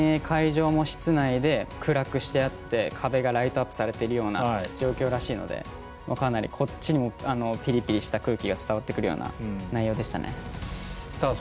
本当に会場も室内で暗くしてあって、壁がライトアップされているような状況らしいのでかなり、こっちにもピリピリした雰囲気が伝わってくるような内容でしたね。